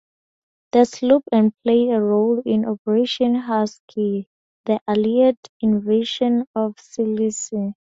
The sloops and played a role in Operation Husky, the Allied invasion of Sicily.